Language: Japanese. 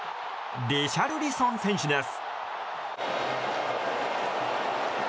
リシャルリソン選手です。